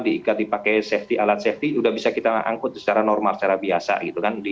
diikat dipakai safety alat safety sudah bisa kita angkut secara normal secara biasa gitu kan